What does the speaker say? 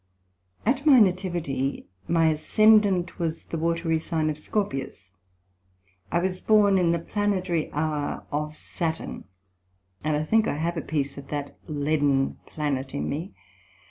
At my Nativity, my Ascendant was the watery sign of Scorpius; I was born in the Planetary hour of Saturn, and I think I have a piece of that Leaden Planet in me.